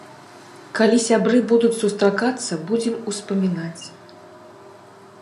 Калі сябры будуць сустракацца, будзем успамінаць.